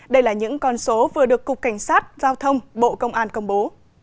đây là những con số vừa được cục cảnh sát giao thông bộ công an công bố